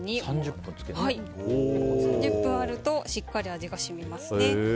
３０分あるとしっかり味が染みますね。